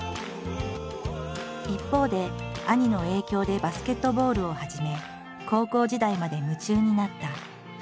一方で兄の影響でバスケットボールを始め高校時代まで夢中になった。